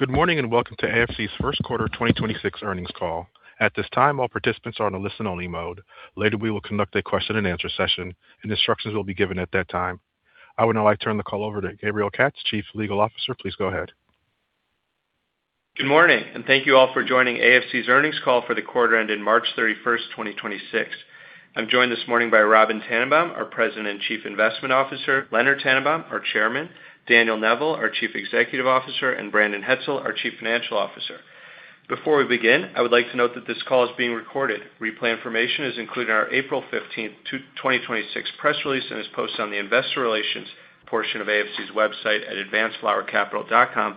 Good morning, and welcome to AFC's first quarter 2026 earnings call. At this time, all participants are on a listen-only mode. Later, we will conduct a question and answer session, and instructions will be given at that time. I would now like to turn the call over to Gabriel Katz, Chief Legal Officer. Please go ahead. Good morning, and thank you all for joining AFC's earnings call for the quarter ended March 31st, 2026. I'm joined this morning by Robyn Tannenbaum, our President and Chief Investment Officer, Leonard Tannenbaum, our Chairman, Daniel Neville, our Chief Executive Officer, and Brandon Hetzel, our Chief Financial Officer. Before we begin, I would like to note that this call is being recorded. Replay information is included in our April 15th, 2026 press release and is posted on the investor relations portion of AFC's website at advancedflowercapital.com,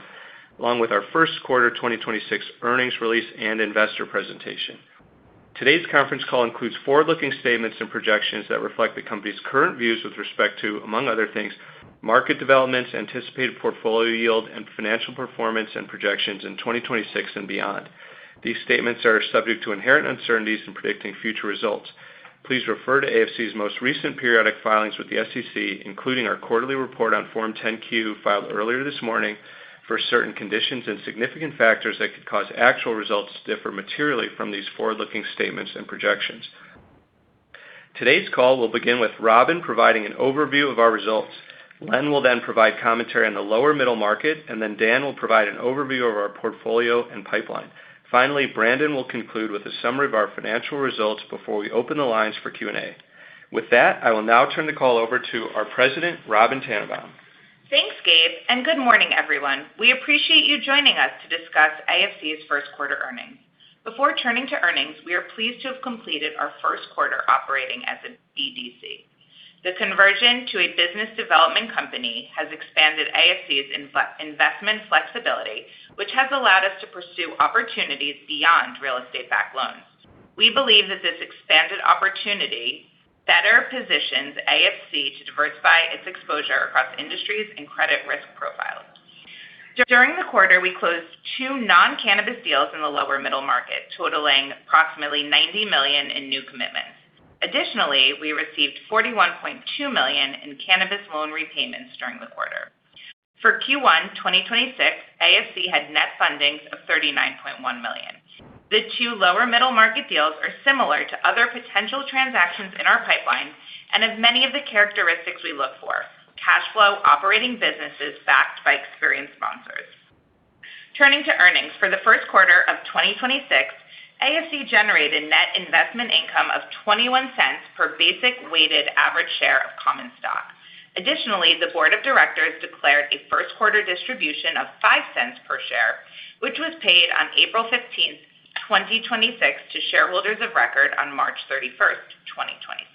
along with our first quarter 2026 earnings release and investor presentation. Today's conference call includes forward-looking statements and projections that reflect the company's current views with respect to, among other things, market developments, anticipated portfolio yield, and financial performance and projections in 2026 and beyond. These statements are subject to inherent uncertainties in predicting future results. Please refer to AFC's most recent periodic filings with the SEC, including our quarterly report on Form 10-Q, filed earlier this morning, for certain conditions and significant factors that could cause actual results to differ materially from these forward-looking statements and projections. Today's call will begin with Robyn providing an overview of our results. Leonard will then provide commentary on the lower middle market, and then Dan will provide an overview of our portfolio and pipeline. Finally, Brandon will conclude with a summary of our financial results before we open the lines for Q&A. With that, I will now turn the call over to our President, Robyn Tannenbaum. Thanks, Gabe. Good morning, everyone. We appreciate you joining us to discuss AFC's first quarter earnings. Before turning to earnings, we are pleased to have completed our first quarter operating as a BDC. The conversion to a business development company has expanded AFC's investment flexibility, which has allowed us to pursue opportunities beyond real estate-backed loans. We believe that this expanded opportunity better positions AFC to diversify its exposure across industries and credit risk profiles. During the quarter, we closed two non-cannabis deals in the lower middle market, totaling approximately $90 million in new commitments. We received $41.2 million in cannabis loan repayments during the quarter. For Q1 2026, AFC had net fundings of $39.1 million. The two lower middle market deals are similar to other potential transactions in our pipeline and have many of the characteristics we look for: cash flow operating businesses backed by experienced sponsors. Turning to earnings, for the first quarter of 2026, AFC generated net investment income of $0.21 per basic weighted average share of common stock. Additionally, the board of directors declared a first quarter distribution of $0.05 per share, which was paid on April 15th, 2026 to shareholders of record on March 31st, 2026.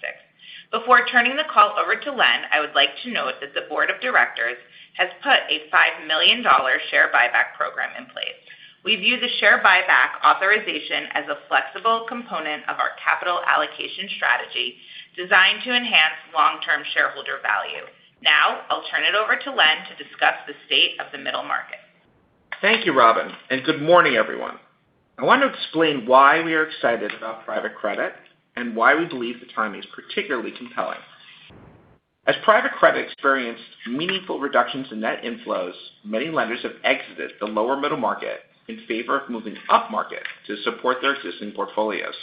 Before turning the call over to Len, I would like to note that the board of directors has put a $5 million share buyback program in place. We view the share buyback authorization as a flexible component of our capital allocation strategy designed to enhance long-term shareholder value. Now, I'll turn it over to Len to discuss the state of the middle market. Thank you, Robyn, and good morning, everyone. I want to explain why we are excited about private credit and why we believe the timing is particularly compelling. As private credit experienced meaningful reductions in net inflows, many lenders have exited the lower middle market in favor of moving upmarket to support their existing portfolios.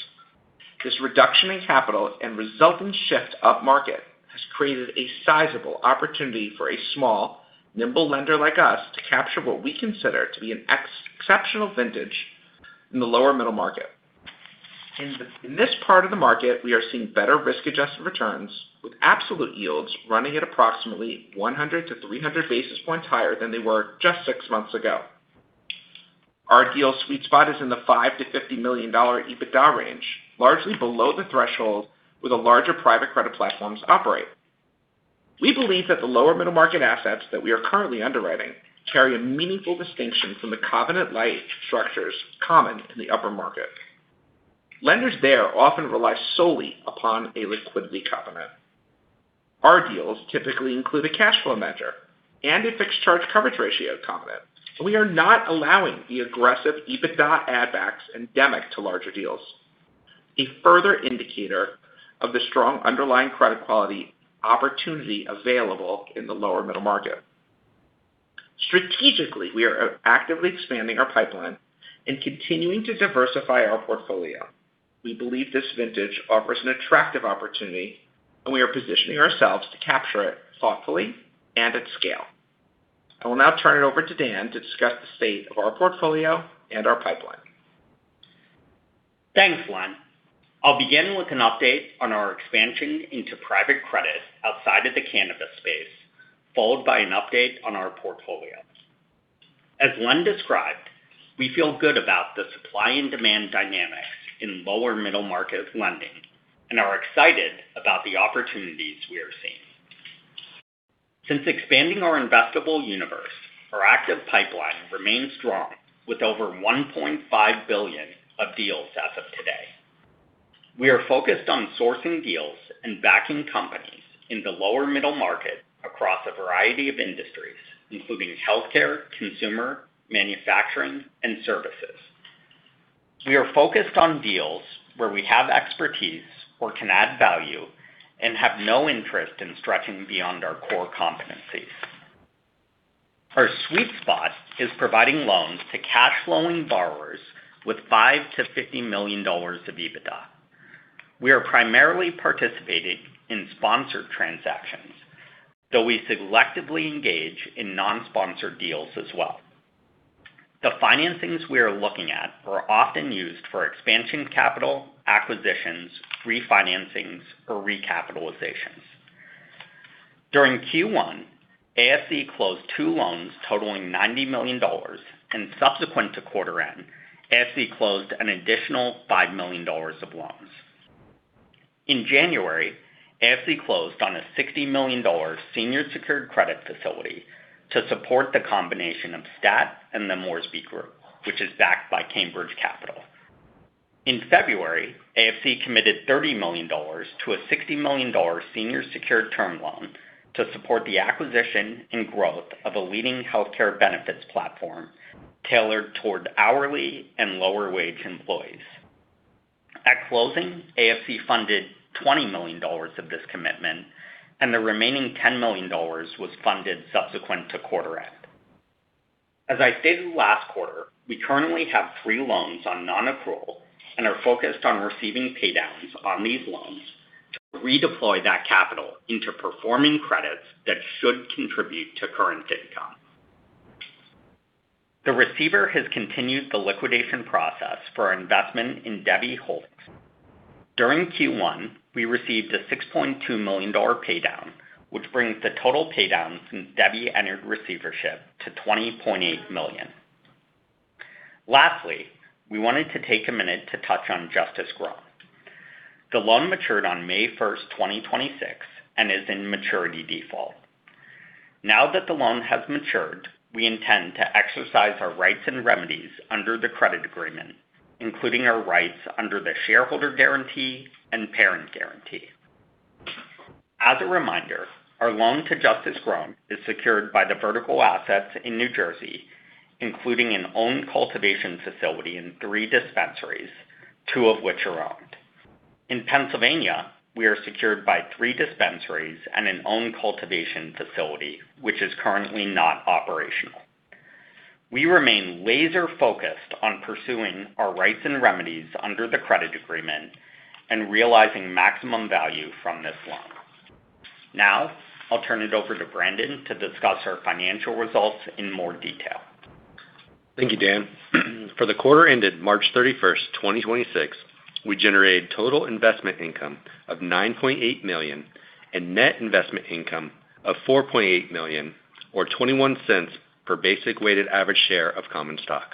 This reduction in capital and resultant shift upmarket has created a sizable opportunity for a small, nimble lender like us to capture what we consider to be an exceptional vintage in the lower middle market. In this part of the market, we are seeing better risk-adjusted returns with absolute yields running at approximately 100 basis points-300 basis points higher than they were just six months ago. Our ideal sweet spot is in the $5 million-$50 million EBITDA range, largely below the threshold where the larger private credit platforms operate. We believe that the lower middle market assets that we are currently underwriting carry a meaningful distinction from the covenant light structures common in the upper market. Lenders there often rely solely upon a liquidity covenant. Our deals typically include a cash flow measure and a fixed charge coverage ratio covenant. We are not allowing the aggressive EBITDA add backs endemic to larger deals, a further indicator of the strong underlying credit quality opportunity available in the lower middle market. Strategically, we are actively expanding our pipeline and continuing to diversify our portfolio. We believe this vintage offers an attractive opportunity, and we are positioning ourselves to capture it thoughtfully and at scale. I will now turn it over to Dan to discuss the state of our portfolio and our pipeline. Thanks, Len. I'll begin with an update on our expansion into private credit outside of the cannabis space, followed by an update on our portfolio. As Len described, we feel good about the supply and demand dynamics in lower middle market lending and are excited about the opportunities we are seeing. Since expanding our investable universe, our active pipeline remains strong with over $1.5 billion of deals as of today. We are focused on sourcing deals and backing companies in the lower middle market across a variety of industries, including healthcare, consumer, manufacturing, and services. We are focused on deals where we have expertise or can add value and have no interest in stretching beyond our core competencies. Our sweet spot is providing loans to cash flowing borrowers with $5 million-$50 million of EBITDA. We are primarily participating in sponsored transactions, though we selectively engage in non-sponsored deals as well. The financings we are looking at are often used for expansion capital, acquisitions, refinancings, or recapitalizations. During Q1, AFC closed two loans totaling $90 million and subsequent to quarter end, AFC closed an additional $5 million of loans. In January, AFC closed on a $60 million senior secured credit facility to support the combination of STAT and The Moresby Group, which is backed by Cambridge Capital. In February, AFC committed $30 million to a $60 million senior secured term loan to support the acquisition and growth of a leading healthcare benefits platform tailored toward hourly and lower wage employees. At closing, AFC funded $20 million of this commitment, and the remaining $10 million was funded subsequent to quarter end. As I stated last quarter, we currently have three loans on non-approval and are focused on receiving paydowns on these loans to redeploy that capital into performing credits that should contribute to current income. The receiver has continued the liquidation process for our investment in Debbie Holt's. During Q1, we received a $6.2 million paydown, which brings the total paydown since Debbie entered receivership to $20.8 million. Lastly, we wanted to take a minute to touch on Justice Grown. The loan matured on May 1st, 2026 and is in maturity default. Now that the loan has matured, we intend to exercise our rights and remedies under the credit agreement, including our rights under the shareholder guarantee and parent guarantee. As a reminder, our loan to Justice Grown is secured by the vertical assets in New Jersey, including an own cultivation facility and three dispensaries, two of which are owned. In Pennsylvania, we are secured by three dispensaries and an own cultivation facility, which is currently not operational. We remain laser-focused on pursuing our rights and remedies under the credit agreement and realizing maximum value from this loan. I'll turn it over to Brandon to discuss our financial results in more detail. Thank you, Dan. For the quarter ended March 31st, 2026, we generated total investment income of $9.8 million and net investment income of $4.8 million or $0.21 per basic weighted average share of common stock.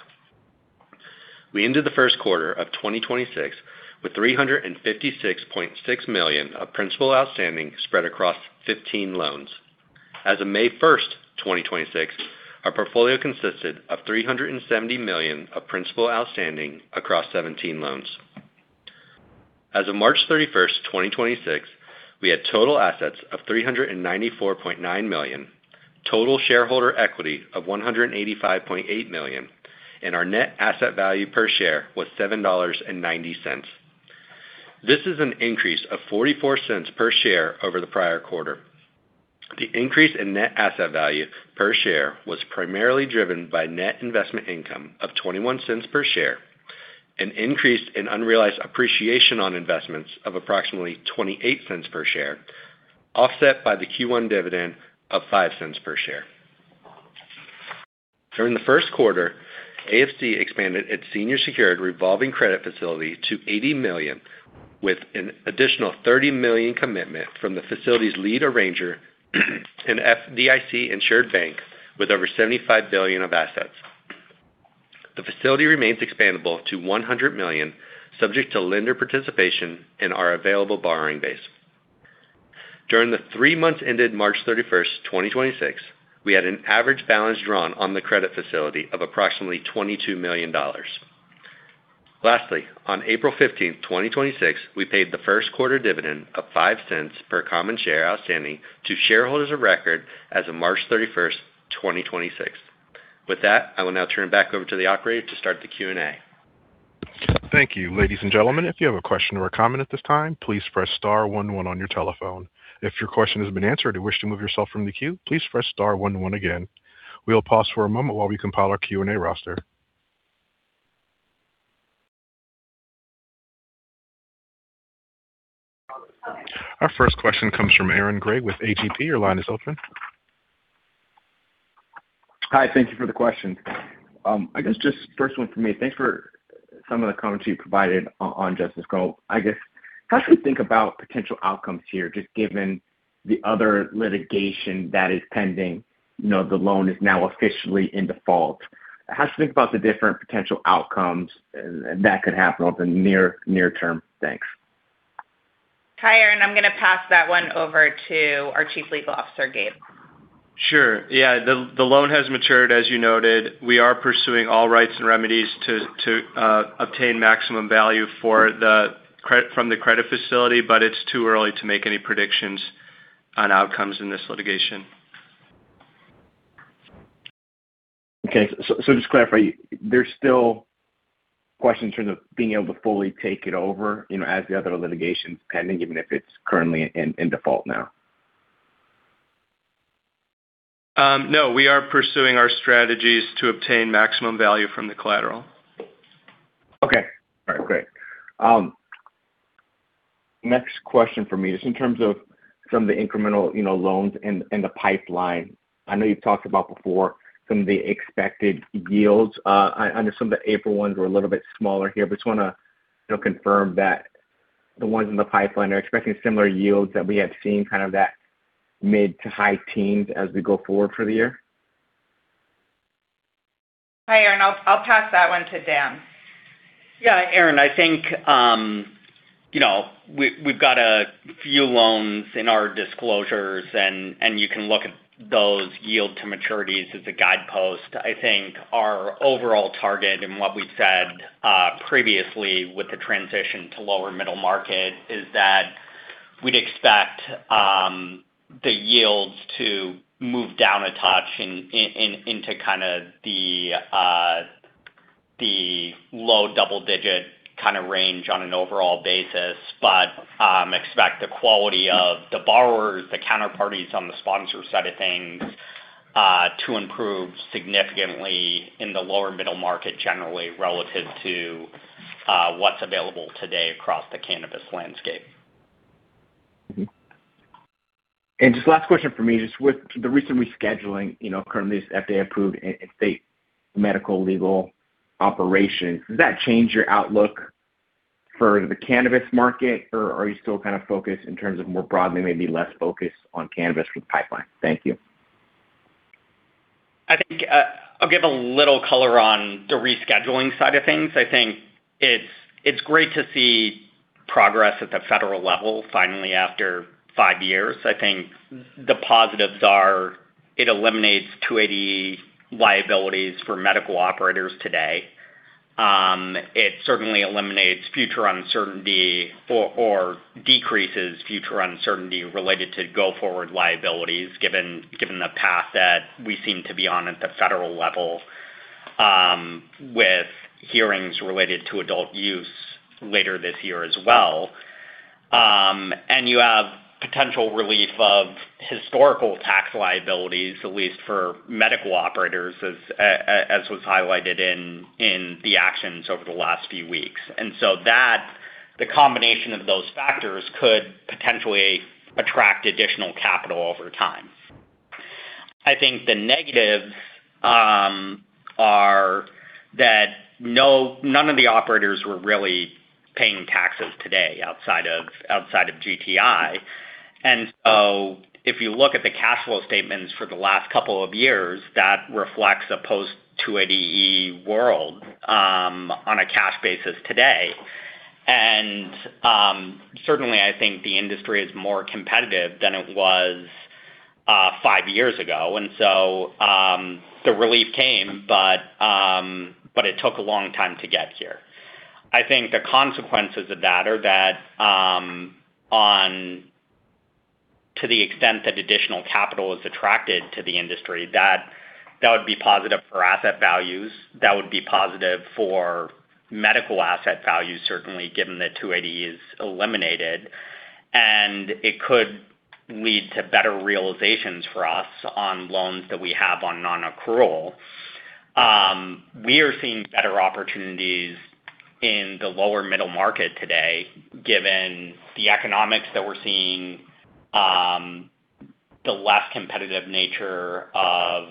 We ended the first quarter of 2026 with $356.6 million of principal outstanding spread across 15 loans. As of May 1st, 2026, our portfolio consisted of $370 million of principal outstanding across 17 loans. As of March 31st, 2026, we had total assets of $394.9 million, total shareholder equity of $185.8 million, and our net asset value per share was $7.90. This is an increase of $0.44 per share over the prior quarter. The increase in net asset value per share was primarily driven by net investment income of $0.21 per share, an increase in unrealized appreciation on investments of approximately $0.28 per share, offset by the Q1 dividend of $0.05 per share. During the first quarter, AFC expanded its senior secured revolving credit facility to $80 million, with an additional $30 million commitment from the facility's lead arranger an FDIC-insured bank with over $75 billion of assets. The facility remains expandable to $100 million, subject to lender participation in our available borrowing base. During the three months ended March 31st, 2026, we had an average balance drawn on the credit facility of approximately $22 million. Lastly, on April 15th, 2026, we paid the first quarter dividend of $0.05 per common share outstanding to shareholders of record as of March 31st, 2026. With that, I will now turn it back over to the operator to start the Q&A. Thank you. Ladies and gentlemen, if you have a question or a comment at this time, please press star one one on your telephone. If your question has been answered and you wish to move yourself from the queue, please press star one one again. We'll pause for a moment while we compile our Q&A roster. Our first question comes from Aaron Grey with AGP. Your line is open. Hi, thank you for the questions. I guess just first one for me. Thanks for some of the comments you provided on Justice Grown. I guess, how should we think about potential outcomes here, just given the other litigation that is pending? You know, the loan is now officially in default. How should we think about the different potential outcomes that could happen over the near term? Thanks. Hi, Aaron. I'm gonna pass that one over to our Chief Legal Officer, Gabe. Sure. Yeah, the loan has matured, as you noted. We are pursuing all rights and remedies to obtain maximum value from the credit facility, but it's too early to make any predictions on outcomes in this litigation. Okay. Just to clarify, there's still questions in terms of being able to fully take it over, you know, as the other litigation's pending, even if it's currently in default now. No, we are pursuing our strategies to obtain maximum value from the collateral. Okay. All right, great. Next question for me, just in terms of some of the incremental, you know, loans in the pipeline. I know you've talked about before some of the expected yields. I understand the April ones were a little bit smaller here, but just wanna, you know, confirm that the ones in the pipeline are expecting similar yields that we have seen kind of that mid to high teens as we go forward for the year. Hi, Aaron. I'll pass that one to Dan. Yeah, Aaron, I think, you know, we've got a few loans in our disclosures and you can look at those yield to maturities as a guidepost. I think our overall target and what we've said previously with the transition to lower middle market is that we'd expect the yields to move down a touch into kinda the low double-digit kinda range on an overall basis. Expect the quality of the borrowers, the counterparties on the sponsor side of things, to improve significantly in the lower middle market, generally relative to what's available today across the cannabis landscape. Mm-hmm. Last question for me, just with the recent rescheduling, you know, currently it's DEA approved in state medical legal operation, does that change your outlook for the cannabis market, or are you still kind of focused in terms of more broadly, maybe less focused on cannabis with pipeline? Thank you. I think I'll give a little color on the rescheduling side of things. I think it's great to see progress at the federal level finally after five years. I think the positives are it eliminates 280E liabilities for medical operators today. It certainly eliminates future uncertainty or decreases future uncertainty related to go-forward liabilities, given the path that we seem to be on at the federal level, with hearings related to adult use later this year as well. You have potential relief of historical tax liabilities, at least for medical operators as was highlighted in the actions over the last few weeks. That, the combination of those factors could potentially attract additional capital over time. I think the negatives are that none of the operators were really paying taxes today outside of, outside of GTI. If you look at the cash flow statements for the last couple of years, that reflects a post 280E world on a cash basis today. Certainly I think the industry is more competitive than it was five years ago. The relief came, but it took a long time to get here. I think the consequences of that are that to the extent that additional capital is attracted to the industry, that would be positive for asset values, that would be positive for medical asset values, certainly given that 280E is eliminated, and it could lead to better realizations for us on loans that we have on non-accrual. We are seeing better opportunities in the lower middle market today, given the economics that we're seeing, the less competitive nature of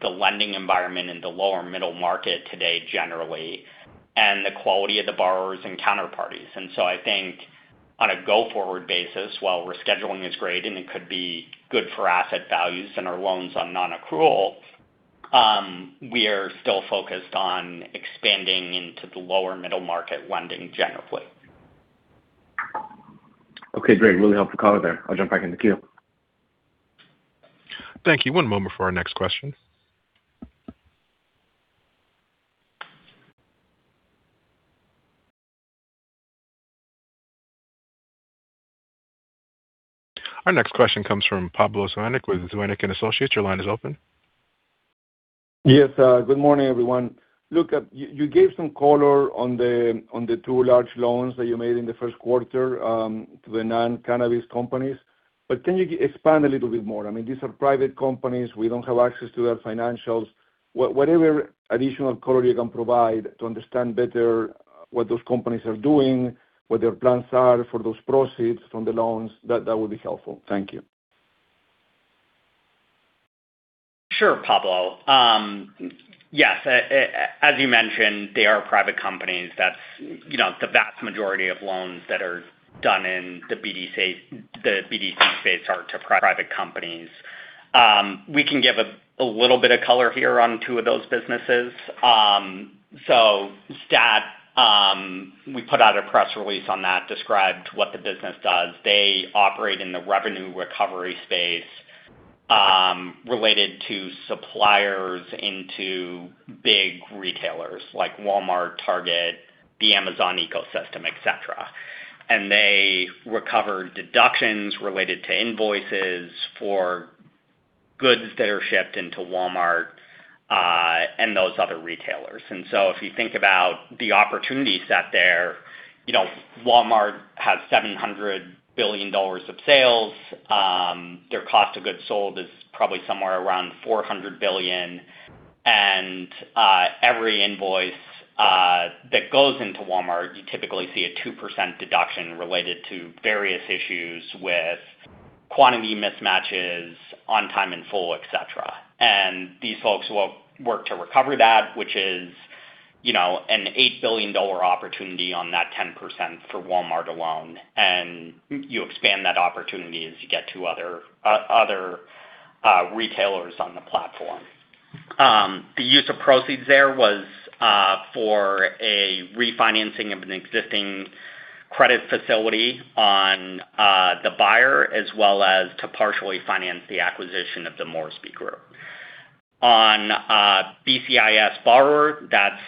the lending environment in the lower middle market today generally, and the quality of the borrowers and counterparties. I think on a go-forward basis, while rescheduling is great and it could be good for asset values and our loans on non-accrual, we are still focused on expanding into the lower middle market lending generally. Okay, great. Really helpful color there. I'll jump back in the queue. Thank you. One moment for our next question. Our next question comes from Pablo Zuanic with Zuanic & Associates. Your line is open. Yes, good morning, everyone. Look, you gave some color on the two large loans that you made in the first quarter to the non-cannabis companies. Can you expand a little bit more? I mean, these are private companies. We don't have access to their financials. Whatever additional color you can provide to understand better what those companies are doing, what their plans are for those proceeds from the loans, that would be helpful. Thank you. Sure, Pablo. Yes, as you mentioned, they are private companies. That's, you know, the vast majority of loans that are done in the BDC space are to private companies. We can give a little bit of color here on two of those businesses. STAT, we put out a press release on that described what the business does. They operate in the revenue recovery space, related to suppliers into big retailers like Walmart, Target, the Amazon ecosystem, et cetera. They recover deductions related to invoices for goods that are shipped into Walmart and those other retailers. If you think about the opportunity set there, you know, Walmart has $700 billion of sales. Their cost of goods sold is probably somewhere around $400 billion. Every invoice that goes into Walmart, you typically see a 2% deduction related to various issues with quantity mismatches on time in full, et cetera. These folks will work to recover that, which is, you know, an $8 billion opportunity on that 10% for Walmart alone. You expand that opportunity as you get to other retailers on the platform. The use of proceeds there was for a refinancing of an existing credit facility on the buyer as well as to partially finance the acquisition of The Moresby Group. On BCIS borrower, that's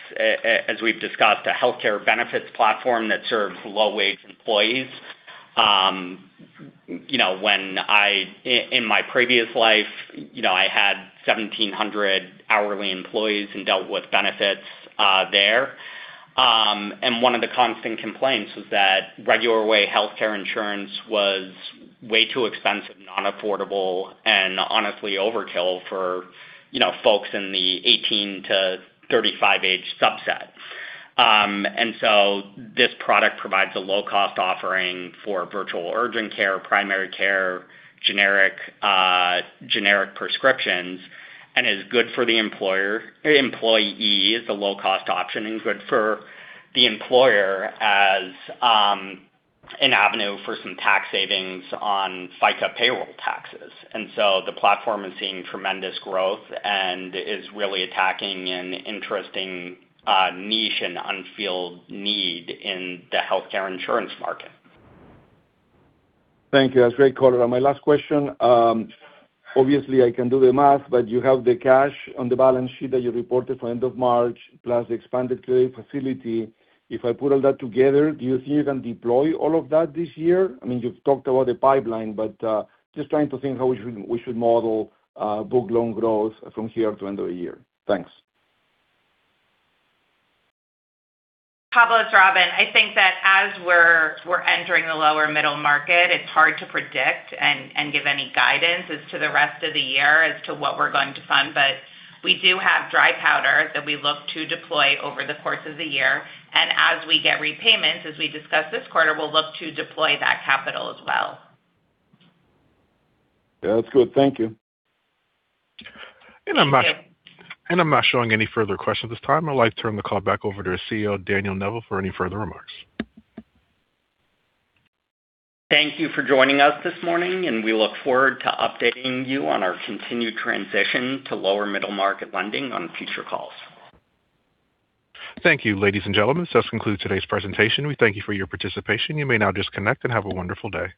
as we've discussed, a healthcare benefits platform that serves low-wage employees. You know, when I in my previous life, you know, I had 1,700 hourly employees who dealt with benefits there. One of the constant complaints was that regular way healthcare insurance was way too expensive, non-affordable, and honestly overkill for, you know, folks in the 18-35 age subset. This product provides a low-cost offering for virtual urgent care, primary care, generic prescriptions, and is good for the employee. It's a low-cost option and good for the employer as an avenue for some tax savings on FICA payroll taxes. The platform is seeing tremendous growth and is really attacking an interesting niche and unfilled need in the healthcare insurance market. Thank you. That's a great color. My last question, obviously I can do the math, but you have the cash on the balance sheet that you reported for end of March plus the expanded credit facility. If I put all that together, do you think you can deploy all of that this year? I mean, you've talked about the pipeline, but just trying to think how we should model book loan growth from here to end of the year. Thanks. Pablo, it's Robyn. I think that as we're entering the lower middle market, it's hard to predict and give any guidance as to the rest of the year as to what we're going to fund. We do have dry powder that we look to deploy over the course of the year. As we get repayments, as we discussed this quarter, we'll look to deploy that capital as well. Yeah, that's good. Thank you. Thank you. I'm not showing any further questions at this time. I'd like to turn the call back over to CEO Daniel Neville for any further remarks. Thank you for joining us this morning, and we look forward to updating you on our continued transition to lower middle market lending on future calls. Thank you, ladies and gentlemen. This does conclude today's presentation. We thank you for your participation. You may now disconnect and have a wonderful day.